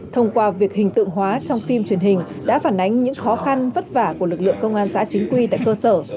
thông qua việc hình tượng hóa trong phim truyền hình đã phản ánh những khó khăn vất vả của lực lượng công an xã chính quy tại cơ sở